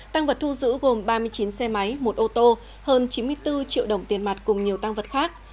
tăng vật thu giữ gồm ba mươi chín xe máy một ô tô hơn chín mươi bốn triệu đồng tiền mặt cùng nhiều tăng vật khác